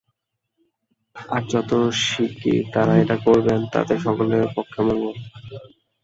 আর যত শীগগীর তাঁরা এটি করেন, ততই সকলের পক্ষে মঙ্গল।